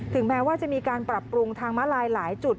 แม้ว่าจะมีการปรับปรุงทางมาลายหลายจุด